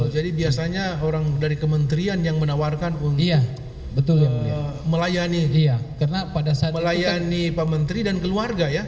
jadi biasanya orang dari kementerian yang menawarkan untuk melayani pementeri dan keluarga ya